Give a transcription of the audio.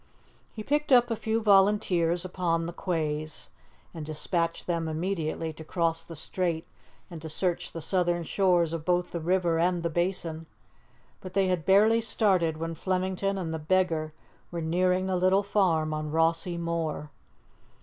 He picked up a few volunteers upon the quays, and despatched them immediately to cross the strait and to search the southern shores of both the river and the Basin; but they had barely started when Flemington and the beggar were nearing the little farm on Rossie moor.